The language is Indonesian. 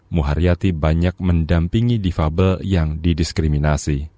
muharyati banyak mendampingi difabel yang didiskriminasi